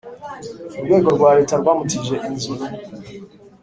Urwego rwa Leta rwamutije inzu